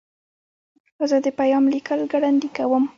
زه د پیام لیکل ګړندي کوم.